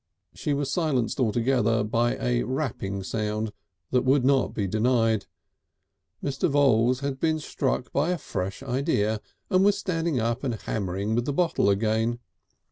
She was silenced altogether by a rapping sound that would not be denied. Mr. Voules had been struck by a fresh idea and was standing up and hammering with the bottle again.